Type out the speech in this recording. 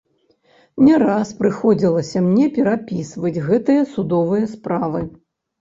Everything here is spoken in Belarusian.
Не раз прыходзілася мне перапісваць гэтыя судовыя справы.